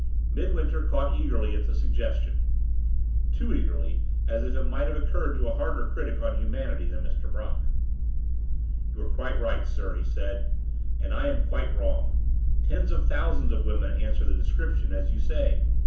Midwinter caught eagerly at the suggestion; too eagerly, as it might have occurred to a harder critic on humanity than Mr. Brock. "You are quite right, sir," he said, "and I am quite wrong. Tens of thousands of women answer the description, as you say.